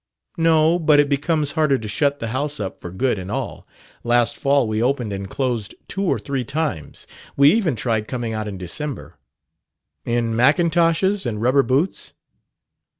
"No; but it becomes harder to shut the house up for good and all. Last fall we opened and closed two or three times. We even tried coming out in December." "In mackintoshes and rubber boots?"